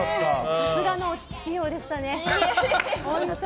さすがの落ち着きようでしたね。